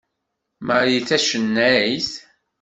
Marie d tacennayt?